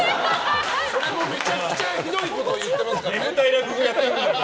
それもめちゃくちゃひどいことを言ってますからね。